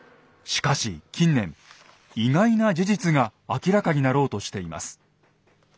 しかし近年意外な事実が明らかになろうとしています。